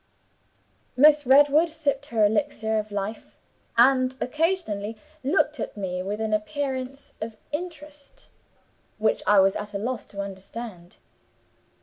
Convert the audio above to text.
Miss Redwood sipped her elixir of life, and occasionally looked at me with an appearance of interest which I was at a loss to understand.